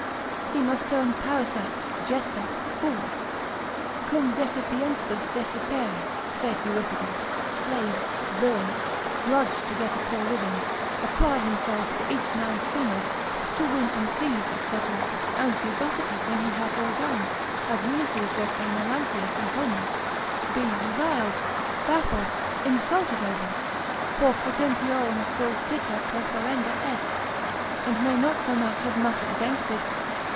He must turn parasite, jester, fool, cum desipientibus desipere; saith Euripides, slave, villain, drudge to get a poor living, apply himself to each man's humours, to win and please, &c., and be buffeted when he hath all done, as Ulysses was by Melanthius in Homer, be reviled, baffled, insulted over, for potentiorum stultitia perferenda est, and may not so much as mutter against it.